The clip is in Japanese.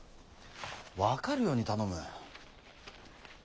分かるように頼む。